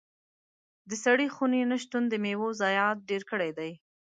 د سړې خونې نه شتون د میوو ضايعات ډېر کړي دي.